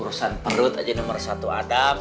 urusan perut aja nomor satu adab